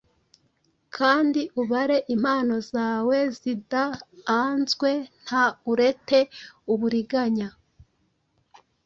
Kandi ubare impano zawe zidaanzwe nta urete uburiganya